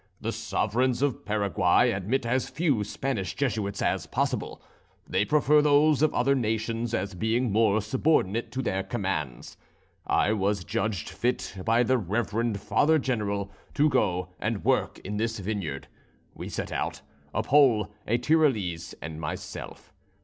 The sovereigns of Paraguay admit as few Spanish Jesuits as possible; they prefer those of other nations as being more subordinate to their commands. I was judged fit by the reverend Father General to go and work in this vineyard. We set out a Pole, a Tyrolese, and myself.